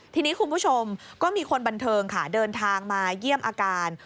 ทีนี้คุณผู้ชมก็มีคนบันเทิงค่ะเดินทางมาเยี่ยมอาการ